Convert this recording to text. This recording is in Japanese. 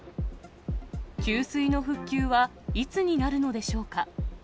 給水の復旧はいつになるのでしょうか。